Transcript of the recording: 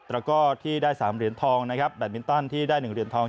แล้วก็ที่ได้๓เหรียญทองนะครับแบตมินตันที่ได้๑เหรียญทอง